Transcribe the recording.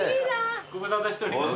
ご無沙汰しております。